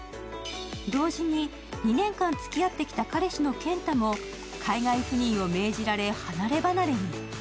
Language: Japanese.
同時に２年間付き合ってきた彼氏の健太も海外赴任を命じられ離れ離れに。